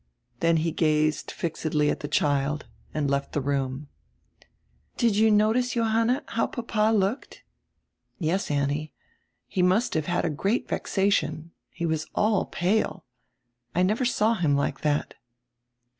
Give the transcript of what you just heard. Then he gazed fixedly at die child and left die roonr. "Did you notice, Johanna, how papa looked?" "Yes, Annie. He must have had a great vexation. He was all pale. I never saw him like that."